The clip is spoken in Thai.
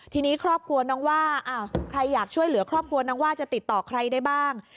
ทีนี้ครอบครัวน้องว่าใครอยากช่วยเหลือครอบครัวน้องว่าจะติดต่อใครได้บ้าง